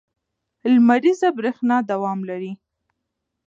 لمریزه برېښنا دوام لري.